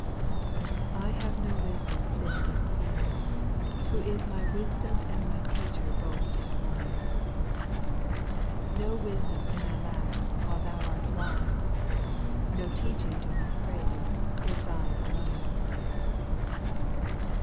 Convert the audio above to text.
4. I have no wisdom save in Him, who is My wisdom and my teacher both in one ; No wisdom can I lack while Thou art wise. No teaching do I crave, save Thine alone.